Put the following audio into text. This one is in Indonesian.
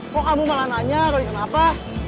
kok kamu malah nanya roy kenapa